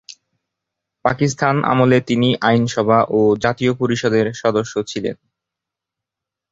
পাকিস্তান আমলে তিনি আইনসভা ও জাতীয় পরিষদের সদস্য ছিলেন।